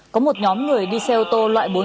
có một nhóm người đi xe ô tô